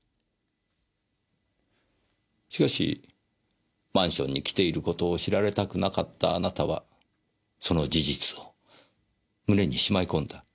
しかしマンションに来ている事を知られたくなかったあなたはその事実を胸にしまいこんだ。